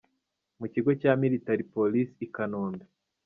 – mu Kigo cya Military Police I Kanombe,